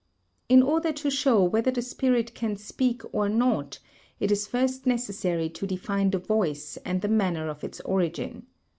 In order to show whether the spirit can speak or not it is first necessary to define the voice and the manner of its origin.